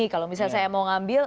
kalau misalnya saya mau ngambil